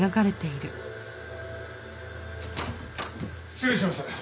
失礼します。